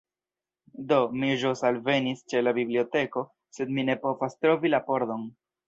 Do, mi ĵus alvenis ĉe la biblioteko sed mi ne povas trovi la pordon